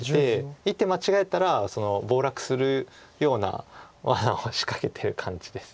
１手間違えたら暴落するようなわなを仕掛けてる感じです。